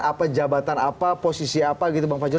apa jabatan apa posisi apa gitu bang fajrul